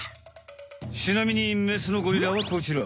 ちなみにメスのゴリラはこちら。